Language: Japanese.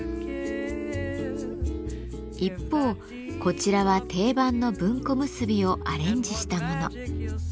一方こちらは定番の文庫結びをアレンジしたもの。